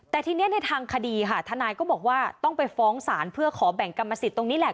แต่ทีนี้ในทางคดีค่ะทนายก็บอกว่าต้องไปฟ้องศาลเพื่อขอแบ่งกรรมสิทธิ์ตรงนี้แหละ